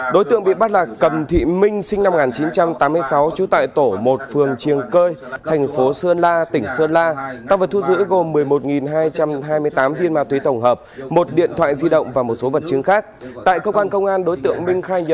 đối tượng bị bắt là cầm thị minh sinh năm một nghìn chín trăm chín mươi năm